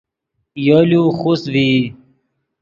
یولو خوست ڤئی